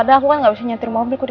aku gak peduli